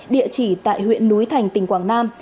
địa chỉ tại huyện núi thành tỉnh quảng nam